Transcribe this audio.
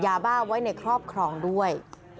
ยาบ้าไว้ในครอบครองด้วย